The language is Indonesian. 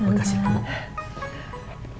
ok terima kasih bu